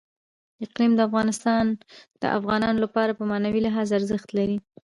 اقلیم د افغانانو لپاره په معنوي لحاظ ارزښت لري.